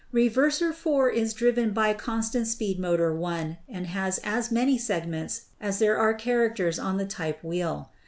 Re verser 4 is driven by constant speed motor 1 and has as many segments as there are characters on the type wheel.